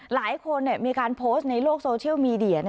หลายคนมีการโพสต์ในโลกโซเชียลมีเดีย